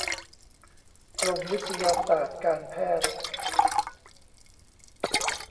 กรมวิทยาศาสตร์การแพทย์